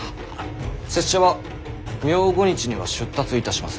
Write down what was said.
拙者は明後日には出立いたします。